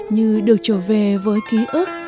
như được trở về với ký ức